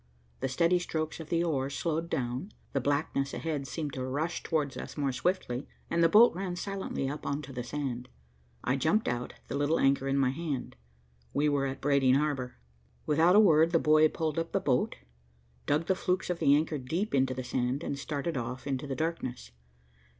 The steady strokes of the oar slowed down, the blackness ahead seemed to rush towards us more swiftly, and the boat ran silently up on to the sand. I jumped out, the little anchor in my hand. We were at Brading Harbor. Without a word, the boy pulled up the boat, dug the flukes of the anchor deep into the sand, and started off into the darkness.